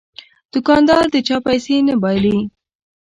دوکاندار د چا پیسې نه بایلي.